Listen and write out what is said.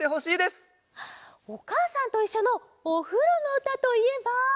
「おかあさんといっしょ」のおふろのうたといえば。